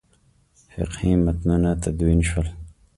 فقهي متنونه تدوین شول.